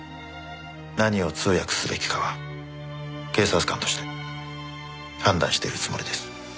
何を通訳すべきかは警察官として判断しているつもりです。